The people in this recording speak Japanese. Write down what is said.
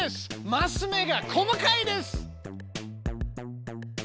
マス目が細かいです。